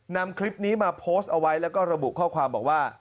นำคลิปนี้มาโพสต์เอาไว้แล้วก็ระบุข้อความบอกว่า